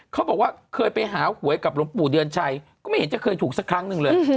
เขาบอกว่าเคยไปหาหวยกับหลวงปู่เดือนชัยก็ไม่เห็นจะเคยถูกสักครั้งหนึ่งเลย